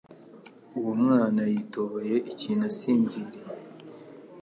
Uwo mwana yitobeye ikintu asinziriye